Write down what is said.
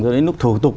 cho đến lúc thủ tục